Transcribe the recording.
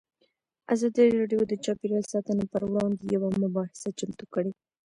ازادي راډیو د چاپیریال ساتنه پر وړاندې یوه مباحثه چمتو کړې.